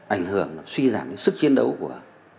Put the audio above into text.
ảnh hưởng suy giảm sức chiến đấu của